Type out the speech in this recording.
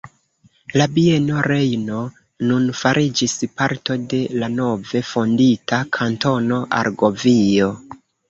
La Bieno Rejno nun fariĝis parto de la nove fondita Kantono Argovio.